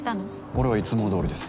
俺はいつもどおりです。